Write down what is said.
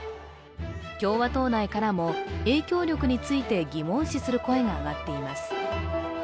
共和党内からも影響力について疑問視する声が上がっています。